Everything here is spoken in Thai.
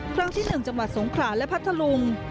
ครั้งที่๑จังหวัดสงขลาและพัทธลุง